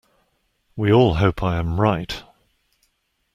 We all hope I am right.